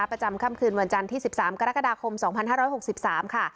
ประจำคำคืนวันจันที่สิบสามกรกฎาคมสองพันห้าร้อยหกสิบสามค่ะ